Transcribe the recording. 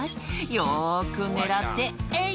よく狙ってえい！」